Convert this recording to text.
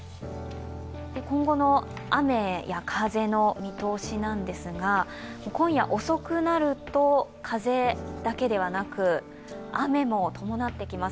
今後の雨や風の見通しなんですが今夜遅くなると風だけではなく雨も伴ってきます。